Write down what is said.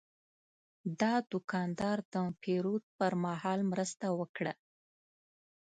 دا دوکاندار د پیرود پر مهال مرسته وکړه.